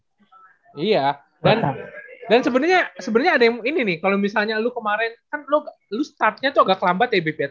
iya dan sebenernya ada yang ini nih kalo misalnya lu kemarin kan lu startnya tuh agak lambat ya bip ya